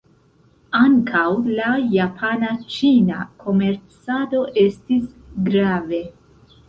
Ankaŭ la japana-ĉina komercado estis grave.